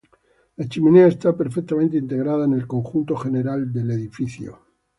La chimenea está perfectamente integrada en el conjunto general del edificio.